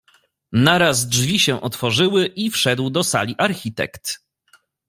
"Naraz drzwi się otworzyły i wszedł do sali architekt."